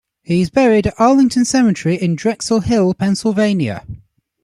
He is buried at Arlington Cemetery in Drexel Hill, Pennsylvania.